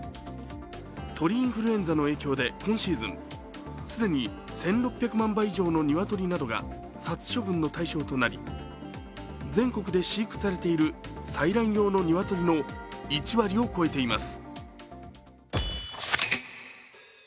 鳥インフルエンザの影響で今シーズン、既に１６００万羽以上の鶏が殺処分の対象となり、全国で飼育されている採卵用の鶏の１割を超えています。